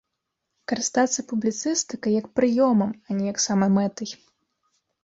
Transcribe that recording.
Карыстацца публіцыстыкай як прыёмам, а не як самамэтай.